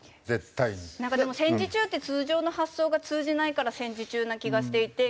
でも戦時中って通常の発想が通じないから戦時中な気がしていて。